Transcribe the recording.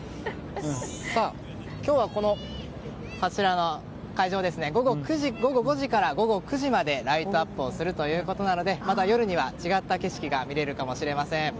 今日は、こちらの会場は午後５時から９時までライトアップするということなのでまた夜には違った景色が見られるかもしれません。